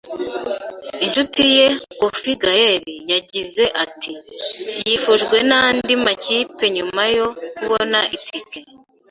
Inshuti ye Koffi Guéli yagize ati:Yifujwe n'andi makipe nyuma yo kubona itike